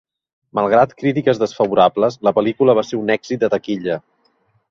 Malgrat crítiques desfavorables, la pel·lícula va ser un èxit de taquilla.